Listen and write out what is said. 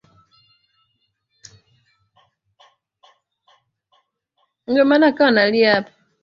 umekuwa mgumu tangu mapinduzi hasa baada ya wanafunzi